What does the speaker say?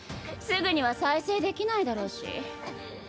すぐには再生できないだろうし。